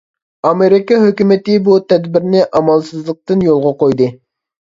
ئامېرىكا ھۆكۈمىتى بۇ تەدبىرنى ئامالسىزلىقتىن يولغا قويدى.